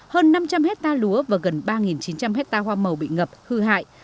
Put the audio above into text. hơn năm trăm linh hecta lúa và gần ba chín trăm linh hecta hoa màu bị ngập hư hại